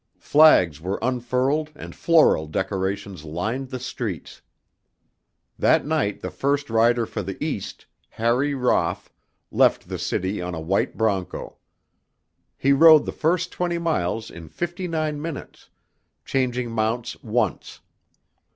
Flags were unfurled and floral decorations lined the streets. That night the first rider for the East, Harry Roff, left the city on a white broncho. He rode the first twenty miles in fifty nine minutes, changing mounts once.